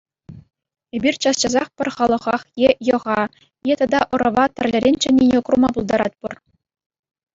Эпир час-часах пӗр халӑхах е йӑха е тата ӑрӑва тӗрлӗрен чӗннине курма пултаратпӑр.